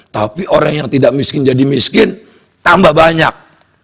tapi orang yang tidak miskin jadi miskin tambah banyak